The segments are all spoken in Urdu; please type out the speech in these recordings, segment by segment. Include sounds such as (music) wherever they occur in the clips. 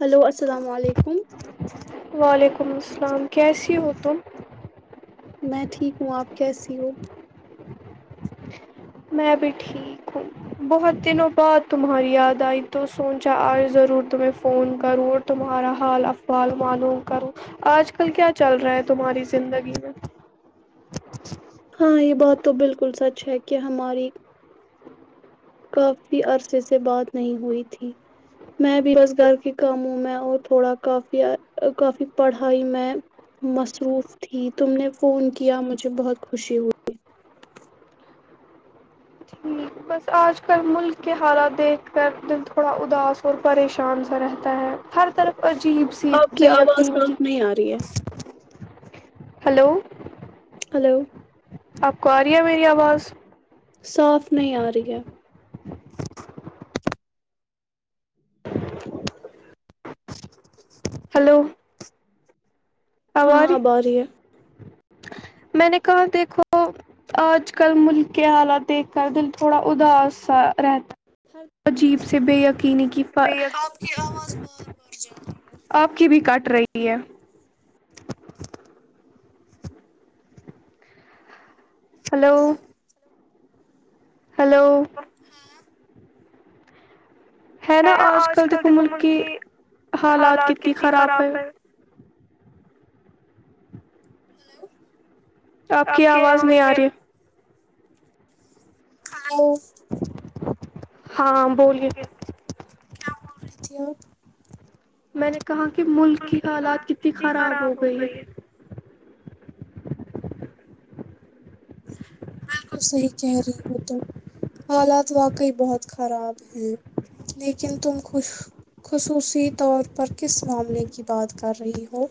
ہیلو السلام علیکم وعلیکم السلام کیسی ہو تم میں ٹھیک ہوں آپ کیسی ہو میں بھی ٹھیک ہوں بہت دنوں بعد تمہاری یاد آئی تو سوچا آج ضرور تمہیں فون کرو تمہارا حال افوال معلوم کروں آج کل کیا چل رہا ہے تمہاری زندگی میں ہاں یہ بات تو بالکل سچ ہے کہ ہماری کافی عرصے سے بات نہیں ہوئی تھی میں بھی روزگار کے کاموں میں اور تھوڑا کافی کافی پڑھائی میں مصروف تھی تم نے فون کیا مجھے بہت خوشی ہوئی ٹھیک بس آج کل ملک کے حالات دیکھ کر دل تھوڑا اداس اور پریشان سا رہتا ہے ہر طرف عجیب سی بے یقینی کی ہلو ہلو آپ کو آ رہی ہے میری آواز صاف نہیں آ رہی ہے ہیلو ہاں اب آ رہی ہے میں نے کہا دیکھو آج کل ملک کے حالات دیکھ کر دل تھوڑا اداس سا رہتا عجیب سے بےیک آپ کی آواز بار بار جا آپ کی بھی کٹ رہی ہے ہیلو ہلو ہے نا آج کل دیکھو ملک کی حالات کتنی خراب ہے آپ کی آواز نہیں آ رہی ہاں بولیے کیا بول رہی تھی آپ میں نے کہا کہ ملک کی حالات کتنی خراب ہو گئی ہے بالکل صحیح کہہ رہی ہو تم حالات واقعی بہت خراب ہیں لیکن تم خوش خصوصی طور پر کس معاملے کی بات کر رہی ہو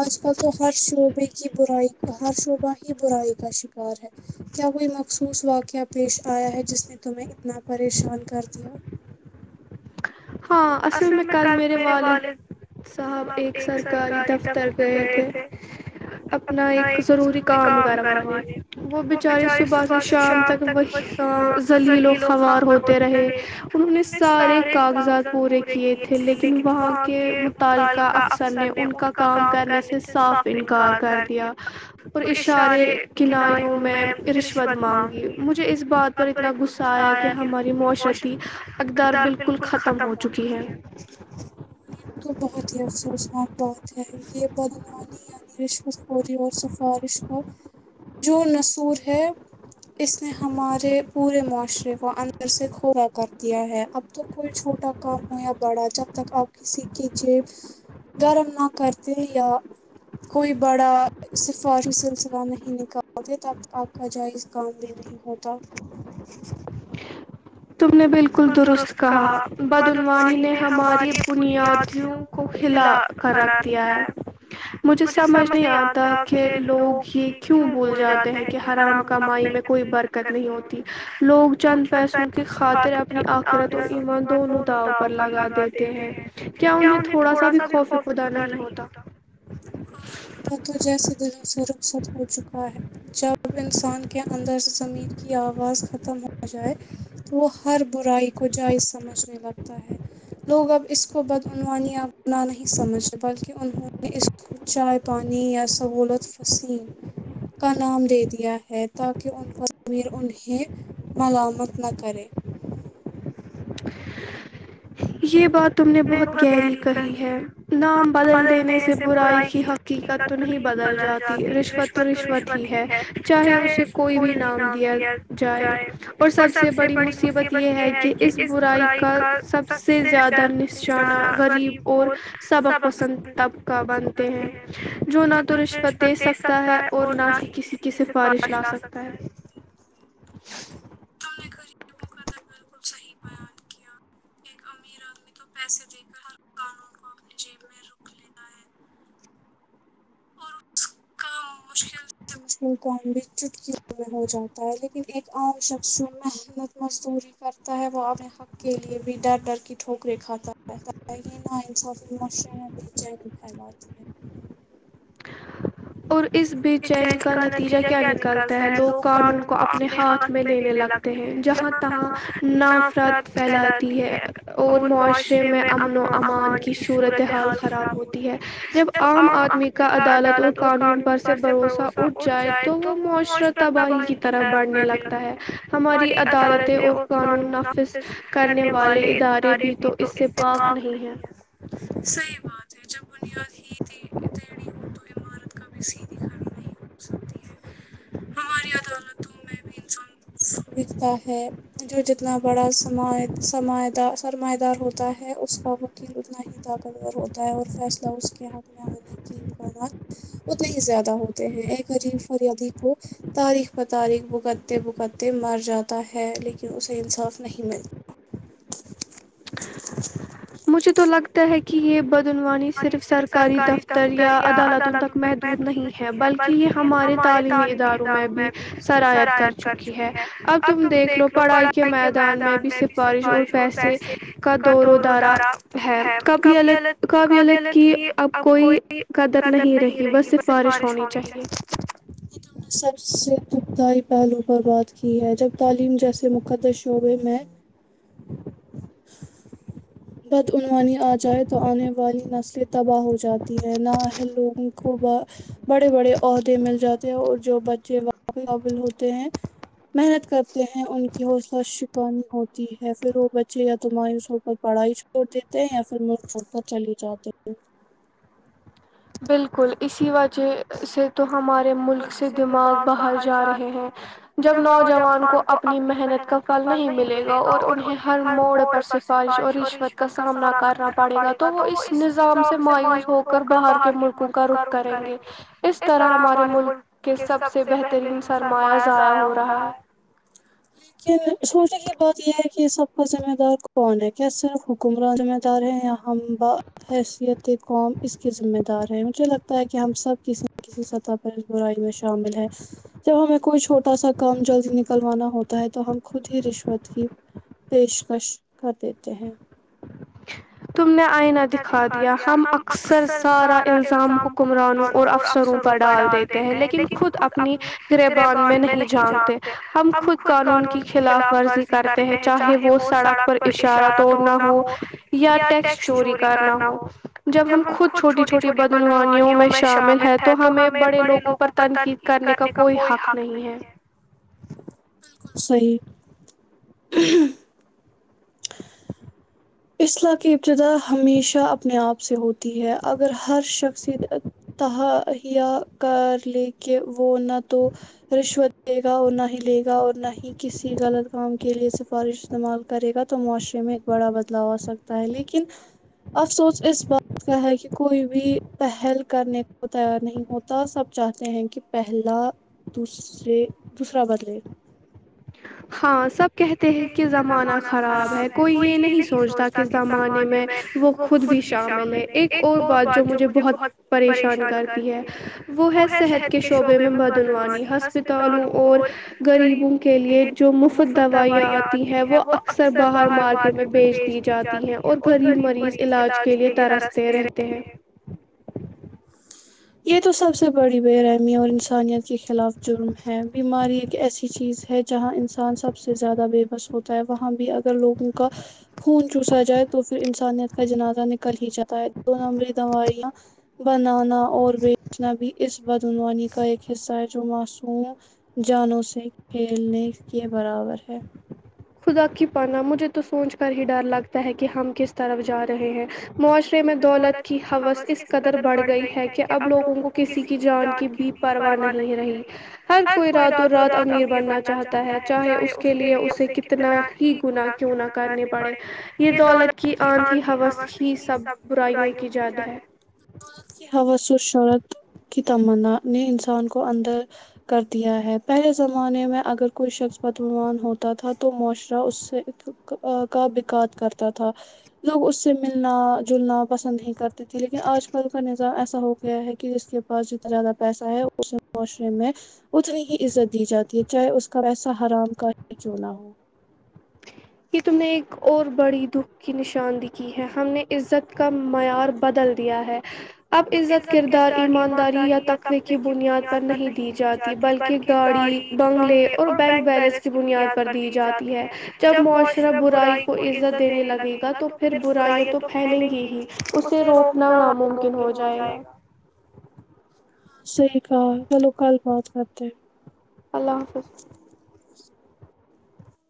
آج کل تو ہر شعبے کی برائی ہر شعبہ ہی برائی کا شکار ہے کیا کوئی مخصوص واقعہ پیش آیا ہے جس نے تمہیں اتنا پریشان کر دیا ہاں اصل میں کل میرے والد صاحب ایک سرکاری دفتر گئے تھے اپنا ایک ضروری کام کروانے وہ بیچارے صبح سے شام تک وہی ا زذلیل و خوار ہوتے رہے انہوں نے سارے کاغذات کو کیے تھے لیکن وہاں کے متعلقہ افسر نے ان کا کام کرنے سے صاف انکار کر دیا اور اشارے کنائیوں میں رشوت مانگی مجھے اس بات پر اتنا غصہ آیا کہ ہماری معاشرتی اقدار بالکل ختم ختم ہو چکی یہ تو بہت ہی افسوسناک بات ہے یہ بدنو یعنی رشوت خوری اور سفارش کا جو نصور ہے اس نے ہمارے پورے معاشرے کو اندر سے کورا کر دیا ہے اب تو کوئی چھوٹا کم ہو یا بڑا جب تک آپ کسی کی جیب گرم نہ کرتے یا کوئی بڑا سفارشی سلسلہ نہیں نکالتے تب آپ کا جائز کام بھی نہیں ہوتا تم نے بالکل بالکل درست کہا بدعنوانی نے ہماری بنیادیوں کو ہلا خراب کیا ہے مجھے سمجھ نہیں آتا کہ لوگ یہ کیوں بھول جاتے ہیں کہ حرام کمائی میں کوئی برکت نہیں ہوتی لوگ چند پیسوں کی خاطر اپنی آخرت اور ایمان دونوں داؤ پر لگا دیتے ہیں کیا انہیں تھوڑا سا بھی خوف کو یہ خدا نہیں ہوتا ہ تو جیسے دلوں سے رخصت ہو چکا ہے جب انسان کے اندر سے زمیر کی آواز ختم ہو جائے تو وہ ہر برائی کو جائز سمجھنے لگتا ہے لوگ اب اس کو بدعنوانینا ں نہیں سمجھتے بلکہ انہوں نے اس چائے پانی یا سہولت پذیر کا نام دے دیا ہے تاکہ ان کو (unintelligible) انہیں ملامت نہ کرے یہ بات تم نے بہت گہری کہی ہے نام بدل دینے سے برائی کی حق حقیقت تو نہیں بدل جاتی رشوت تو رشوت ہی ہے چاہے اسے کوئی بھی نام دیا جائے اور سب سے بڑی مصیبت یہ ہے کہ اس برائی کا سب سے سے زیادہ نشانہ غریب اور سبق پسند طبقہ بنتے ہیں جو نہ تو رشوت دے سکتا ہے اور نہ ہی کسی کی سفارش لا سکتا ہے ہم نے غریبوں کا تو بالکل صحیح بیان کیا ایک امیر آدمی تو پیسے دے کر ہر قانون کو اپنی جیب میں رکھ لیتا ہے مشمل کام بھی چٹکیوں میں ہو جاتا ہے لیکن لیکن ایک عام شخص جو محنت مزدوری کرتا ہے وہ حق کے لیے بھی ڈر ڈر کی ٹھو کریں کھاتا رہتا ہے یہ نہ انصافی معاشرے میں بے چینی پھیلاتی ہے اور اس بے چینی کا نتیجہ کیا نکلتا ہے لوگ قانون کو اپنے ہاتھ میں لینے لگ ہیں جہاں تہاں نفرت پھیلاتی ہے اور معاشرے میں امن و امان کی صورتحال خراب ہوتی ہے جب عام آدمی کا عدالتوں قانون پر سے بھروسہ اٹھ جائے تو وہ معاشرت تباہی کی طرف بڑھنے لگتا ہے ہماری عدالتیں اور قانون نافذ کرنے والے ادارے بھی تو اس سے پاک نہیں ہے صحیح بات ہے جب بنیاد ہی ٹیڑی ٹیڑی ہو تو عمارت کا بھی نہیں ہو سکتی ہماری عدالتوں میں بھی انسان (unintelligible) ہے جو جتنا بڑا سم سم سرمائے دار ہوتا ہے اس کا پھر اتنا ہی طاقتور ہوتا ہے اور فیصلہ اس کے حق میں ہونی کے امکانات اتنے ہی زیادہ ہوتے ہیں ایک عریب فریادی کو تاریخ بہ تاریخ بھکتے بھکتے مر جاتا ہے لیکن اسے انصاف نہیں ملتا مجھے تو لگتا ہے کہ یہ بد عنوانی صرف سرکاری دفتر یا عدالتوں تک محدود نہیں ہے بلکہ یہ ہمارے تعلیمی اداروں میں بھی سرحیت کر چکی ہے اب تم دیکھ لو پڑھائی کے میدان میں بھی سفارش اور پیسے کا دور و دارا ہے کبھی الگ قابلیت کی اب کوئی قدر نہیں رہی بس سفارش ہونی چاہیے سب سے دکھدائی پہلو پر بات کی ہے جب تعلیم جیسے مقدس شعبے میں بدعنوانی آ جائے تو آنے والی نسلیں تباہ ہو جاتی ہیں نہ لوگوں کو بڑے بڑے عہدے مل جاتے ہیں اور جو بچےاب قابل ہوتے ہیں محنت کرتے ہیں ان کی حوصلہ شکانی ہوتی ہے پھر وہ بچے یا تو ماوس ہو کر پڑھائی چھوڑ دیتے ہیں یا پھر ملک چھڑ کر چلے جاتے ہیں بالکل اسی وجہ سے تو ہمارے ملک سے دماغ باہر جا رہے ہیں جب نوجوان کو اپنی محنت کا پھل نہیں ملے گا اور انہیں ہر موڑ پر سفارش اور رشوت کا سامنا کرنا پڑے گا تو تو وہ اس نظام سے مایوس ہو کر باہر کے ملکوں کا رخ کریں گے اس طرح ہمارے مل کے سب سے بہترین سرمایہ ضائع ہو رہا ہے لیکن سوچے کی بات یہ ہے کہ سب کا ذمہ دار کون ہے کیا صرف گمرہی میں جا رہے ہیں ہم ب حیثیت قوم اس کے ذمہ دار ہے مجھے لگتا ہے کہ ہم سب کسی نہ کسی سطح برائی میں شامل ہے جب ہمیں کوئی چھوٹا سا کام جلدی نکلوانا ہوتا ہے تو ہم خود ہی رشوت کی پیشکش کر دیتے ہیں تم نے آئینہ دکھا دیا ہم اکثر سارا الزام حکمرانوں اور افسروں پر ڈال دیتے ہیں لیکن خود اپنی گریبان میں نہیں جھانکتے ہم خود قانون کی خلاف ورزی کرتے ہیں چاہے وہ سڑک پر اشارہ توڑنا ہو یا ٹیکسٹ چوری کرنا ہو جب ہم خود چھوٹی چھوٹی بد عنوانیا ں میں شامل ہے تو ہمیں بڑے لوگ ان پر تنقید کرنے کا کوئی حق نہیں ہے بالکل صحیح اصلاح کی ابتدا ہمیشہ اپنے آپ سے ہوتی ہے اگر ہر شخص تیا یا کار لے کے وہ نہ تو رشوت دے گا اور نہ ہی لے گا اور نہ ہی کسی غلط کام کے لیے سفارش استعمال کرے گا تو معاشرے میں بڑا بدلاؤ آ سکتا ہے لیکن افسوس اس بات کا ہے کہ کوئی بھی پہل کرنے کو تیار نہیں ہوتا سب چاہتے ہیں کہ پہلا دوسرے دوسرا بدلے ہاں سب کہتے ہیں کہ زمانہ خراب ہے کوئی یہ نہیں سوچتا کہ زمانے میں وہ خود بھی شامل ہے ایک اور بات جو مجھے بہت پریشان کرتی ہے وہ ہے صحت کے شعبے میں بدعنوانی ہسپتالوں اور غریبوں کے لیے جو وہ مفت د دوائیاں آتی ہیں وہ اکثر باہر مارکیٹ میں بھیج دی جاتی ہیں اور غریب مریض علاج کے لیے ترستے رہتے ہیں یہ تو سب سے بڑی بےرہمی اور انسانیت کے خلاف جرم ہے بیماری ایک ایسی چیز ہے جہاں انسان سب سے زیادہ بے بس ہوتا ہے وہاں بھی اگر لوگوں کا خون چوسا جائے تو پھر انسانیت کا جنازہ نکل ہی جاتا ہے دو نمبری دوائیاں بنانا اور بیچنا بھی اس بدعنوانی کا ایک حصہ ہے جو معصوم جانوں سے کھیلنے کے برابر ہے خدا کی پانا مجھے تو سوچ کر ہی ڈر لگتا ہے کہ ہم کس طرف جا رہے ہیں معاشرے میں دولت کی حوث اس قدر بڑھ گئی ہے کہ اب لوگوں کو کسی کی جان کی بی پرواہ نہیں رہی ہر کوئی راتوں رات امیر بننا چاہتا ہے چاہے اس کے لیے اسے کتنا ہی گناہ کیوں نہ کرنے پڑے یہ دولت کی آنندھی حوس ہی سب برائیوں کی جڈ ہے دولت کی حاوس وہ شرط کی تمنا نے انسان کو اندھا کر دیا ہے پہلے زمانے میں اگر کوئی شخص بدگمان ہوتا تھا تو معاشرہ اس سے (unintelligible) کرتا تھا لوگ اس سے ملنا جونا پسند ہی کرتی تھی لیکن اج کل کا ن ایسا ہو گیا ہے کہ جس کے پاس جتنا زیادہ پیسہ ہے اسے معاشرے میں اتنی ہی عزت دی جاتی ہے چاہے اس کا پیسہ حرام کا ہی کیوں نا ہو یہ تم نے ایک اور بڑی دکھ کی نشان دکھی ہے ہم نے عزت کا معیار بدل دیا ہے اب عزت کردار ایمانداری یا تقوے کی بنیاد پر نہیں دی جاتی بلکہ گاڑی بنگلے اور بینک بیلنس کی بنیاد پر دی جاتی ہے تب معاشرہ برائی کو عزت دینے لگے گا تو پھر برائی تو پھیلیں گی ہی اسے روکنا ناممکن ہو جائے گا صحیح کہا چلو کل بات کرتے ہیں اللہ حافظ